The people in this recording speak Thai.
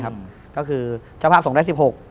อะไรแบบนี้ครับก็คือเจ้าภาพส่งได้๑๖